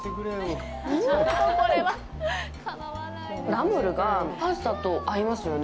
ナムルがパスタと合いますね。